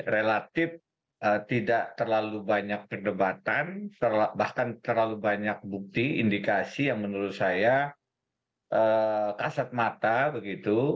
relatif tidak terlalu banyak perdebatan bahkan terlalu banyak bukti indikasi yang menurut saya kasat mata begitu